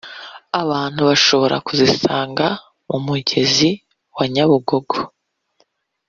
abantu bashobora kuzisanga mu mugezi wa Nyabugogo